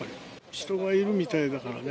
人がいるみたいだからね。